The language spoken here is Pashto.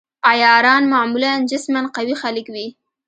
عیاران معمولاً جسماً قوي خلک وي.